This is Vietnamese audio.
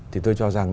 thì tôi cho rằng